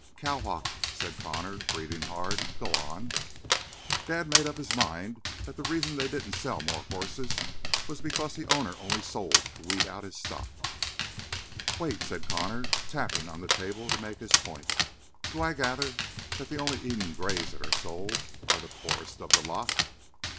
"Cow hocked," said Connor, breathing hard. "Go on!" "Dad made up his mind that the reason they didn't sell more horses was because the owner only sold to weed out his stock." "Wait," said Connor, tapping on the table to make his point. "Do I gather that the only Eden Grays that are sold are the poorest of the lot?"